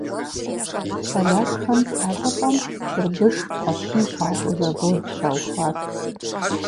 Полякхэм а щӏыпӏэм чырбыш, кхъуэщын щащӏу завод щаухуат.